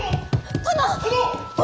殿！